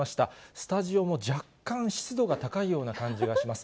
スタジオも若干湿度が高いような感じがします。